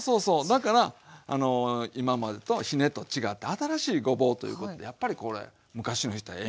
だから今までとはひねと違って新しいごぼうということでやっぱりこれ昔の人は縁起がええなとか思うんですよ。